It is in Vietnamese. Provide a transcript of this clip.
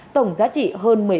tổng giá trị hơn một mươi bốn